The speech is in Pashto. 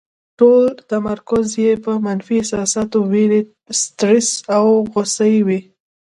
ټول تمرکز یې په منفي احساساتو، وېرې، سټرس او غوسې وي.